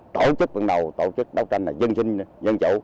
tổ chức vận đầu tổ chức đấu tranh là dân sinh dân chủ